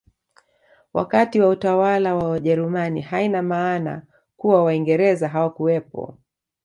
Wakati wa utawala wa wajerumani haina maana kuwa waingereza hawakuwepo